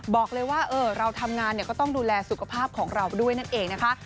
บอกเลยว่าเราทำงานก็ต้องดูแลสุขภาพของเราด้วยนั่นเองนะคะ